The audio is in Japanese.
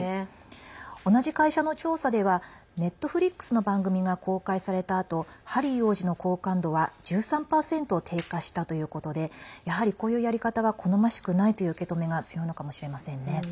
同じ会社の調査ではＮｅｔｆｌｉｘの番組が公開されたあとハリー王子の好感度は１３％低下したということでやはり、こういうやり方は好ましくないという受け止めが強いのかもしれませんね。